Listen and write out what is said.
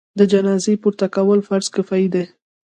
د جنازې پورته کول فرض کفایي دی.